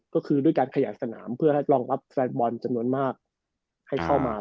ก็คือด้วยการขยายสนามเพื่อให้รองรับแฟนบอลจำนวนมากให้เข้ามา